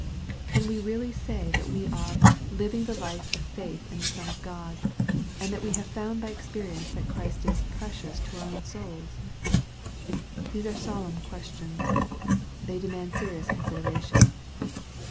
Can we really say that we are " living the life of faith in the son of God," and that we have found by experience that Christ is " precious" to our own souls ? These are solemn questions. They demand serious consideration.